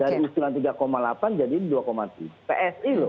dari usulan tiga delapan jadi dua tujuh psi loh